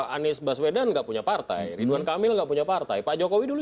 anies baswedan tidak punya partai ridwan kamil tidak punya partai pak jokowi juga